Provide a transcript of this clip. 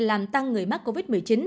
làm tăng người mắc covid một mươi chín